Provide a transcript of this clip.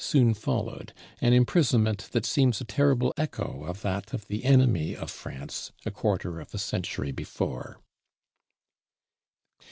soon followed; an imprisonment that seems a terrible echo of that of the enemy of France a quarter of a century before.